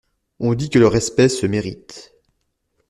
On dit que le respect se mérite.